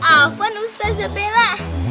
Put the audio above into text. apaan ustazah bella